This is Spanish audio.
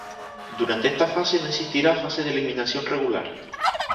Durante esta fase no existirá fase de eliminación regular.